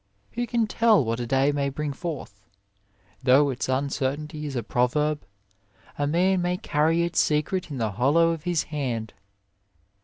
Who can tell what a day may bring forth? Though its uncertainty is a proverb, a man may carry its secret in the hollow of his hand.